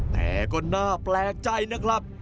แต่ก็น่าแปลกใจนะครับ